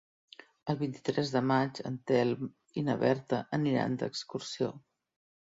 El vint-i-tres de maig en Telm i na Berta aniran d'excursió.